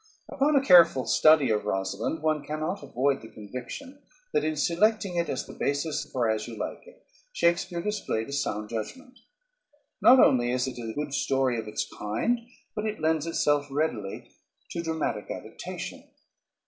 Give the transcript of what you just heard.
] Upon a careful study of "Rosalynde" one cannot avoid the conviction that in selecting it as the basis for "As You Like It" Shakespeare displayed a sound judgment. Not only is it a good story of its kind, but it lends itself readily to dramatic adaptation.